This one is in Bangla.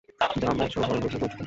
যা মৎস অভয়ারণ্য হিসেবে পরিচিত।